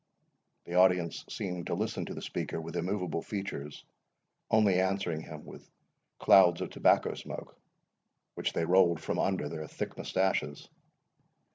The audience seemed to listen to the speaker with immovable features, only answering him with clouds of tobacco smoke, which they rolled from under their thick mustaches.